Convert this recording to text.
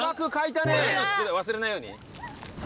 忘れないように？